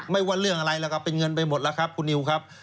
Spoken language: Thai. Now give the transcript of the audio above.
ไม่ว่าเรื่องอะไรล่ะครับเป็นเงินไปหมดล่ะครับคุณนิวครับ